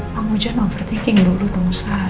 kamu jangan overthinking dulu dong sar